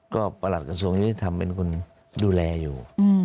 ก็ประหลาดกระทรวงจะทำเป็นคุณดูแลอยู่